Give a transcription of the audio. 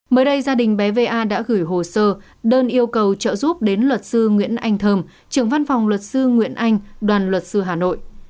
mới đây gia đình bé va đã gửi hồ sơ đơn yêu cầu trợ giúp đến luật sư nguyễn anh thơm trưởng văn phòng luật sư nguyễn anh đoàn luật sư hà nội